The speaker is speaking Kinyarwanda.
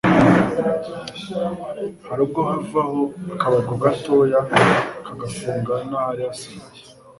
Hari ubwo havaho akabango gato kagafunga n'ahari hasigaye.